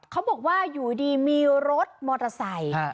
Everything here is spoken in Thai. เขาบอกว่าอยู่ดีมีรถมอเตอร์ไซค์